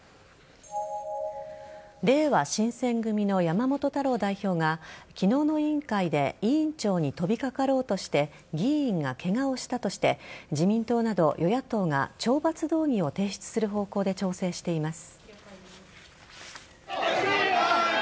れいわ新選組の山本太郎代表が昨日の委員会で委員長に飛びかかろうとして議員がケガをしたとして自民党など与野党が懲罰動議を提出する方向で調整しています。